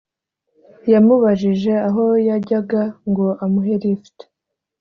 yamubajije aho yajyaga ngo amuhe lift